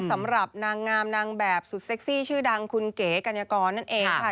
สำหรับนางงามนางแบบสุดเซ็กซี่ชื่อดังคุณเก๋กัญญากรนั่นเองค่ะ